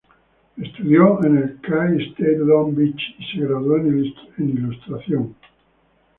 Estudió en el Cal State Long Beach y se graduó en ilustración.